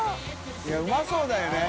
いうまそうだよね。ねぇ！